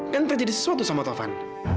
kan terjadi sesuatu sama taufan